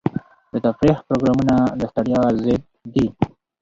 د تفریح پروګرامونه د ستړیا ضد دي.